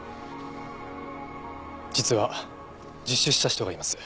実は自首した人がいます。